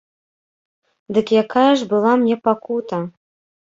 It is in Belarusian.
Дык якая ж была мне пакута!